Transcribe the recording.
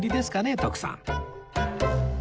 徳さん